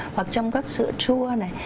hoặc trong các sữa chua này